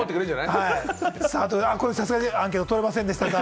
さすがにアンケートは取れませんでした。